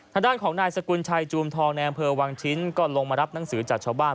ทางด้านของนายสกุลชัยจูมทองในอำเภอวังชิ้นก็ลงมารับหนังสือจากชาวบ้าน